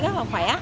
rất là khỏe